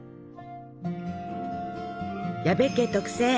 矢部家特製！